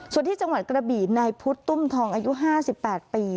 ส่วนที่จังหวัดกระบี่นายพุทธตุ้มทองอายุ๕๘ปี